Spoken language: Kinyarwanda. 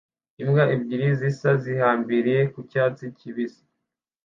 Imbwa ebyiri zisa zihambiriye ku cyatsi kibisi